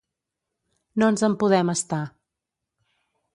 No ens en podem estar.